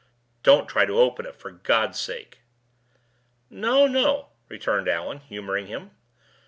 "Don't try to open it, for God's sake!" "No, no," returned Allan, humoring him.